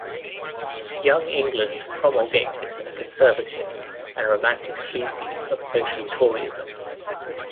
Young England promulgated a conservative and romantic species of Social Toryism.